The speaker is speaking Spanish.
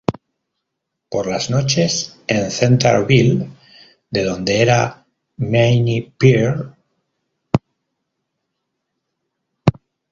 Por las noches en Centerville de donde era Minnie Pearl.